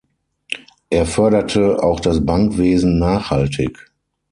Er förderte auch das Bankwesen nachhaltig.